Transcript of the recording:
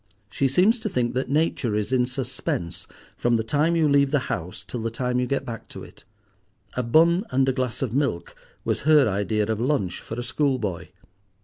She seems to think that nature is in suspense from the time you leave the house till the time you get back to it. A bun and a glass of milk was her idea of lunch for a school boy.